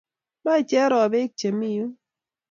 Mae Cherop pek che mi yun.